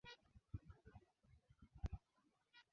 anga troposphere karibu na sehemu ya Dunia kutona na athari